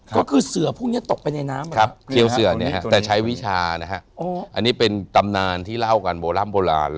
ก็คือเสือพวกนี้ตกไปในน้ำนะครับเจียวเสือแต่ใช้วิชานะฮะอันนี้เป็นตำนานที่เล่ากันโบร่ำโบราณ